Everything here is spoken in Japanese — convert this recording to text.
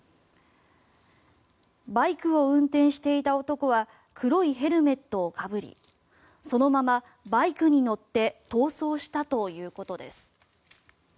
バイクを運転していた男は黒いヘルメットをかぶりそのままバイクに乗って逃走したということです。